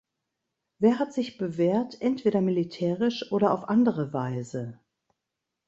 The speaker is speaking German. Wer hat sich bewährt entweder militärisch oder auf andere Weise?